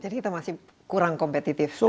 jadi kita masih kurang kompetitif